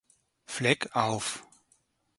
Fleck“ auf.